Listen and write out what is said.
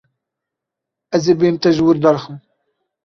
Ez ê bêm te ji wir derxim.